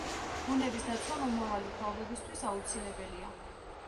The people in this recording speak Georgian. ბუნების დაცვა მომავალი თაობებისთვის აუცილებელია.